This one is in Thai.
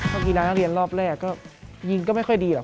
กีฬานักเรียนรอบแรกก็ยิงก็ไม่ค่อยดีหรอก